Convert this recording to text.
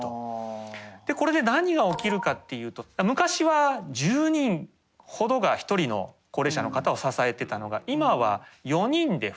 これで何が起きるかっていうと昔は１０人ほどが１人の高齢者の方を支えてたのが今は４人で２人。